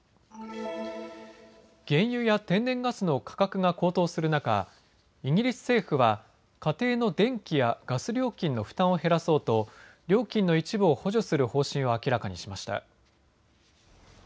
原油や天然ガスの価格が高騰する中、イギリス政府は家庭の電気やガス料金の負担を減らそうと料金の一部を補助する方針を明らかにしました。